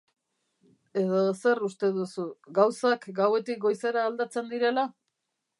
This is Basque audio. Edo zer uste duzu, gauzak gauetik goizera aldatzen direla?